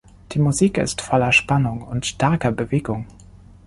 Die Musik ist voller Spannung und starker Bewegung.